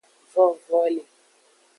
Vovoli.